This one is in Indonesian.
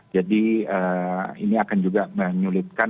jadi ini akan juga menyulitkan